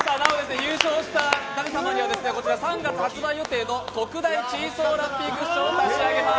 優勝した舘様には３月発売予定の特大チーソーラッピークッションを差し上げます。